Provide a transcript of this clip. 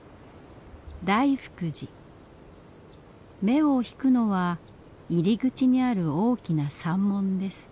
目を引くのは入り口にある大きな山門です。